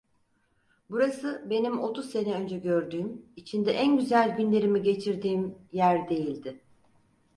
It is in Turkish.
Burası benim otuz sene önce gördüğüm, içinde en güzel günlerimi geçirdiğim yer değildi.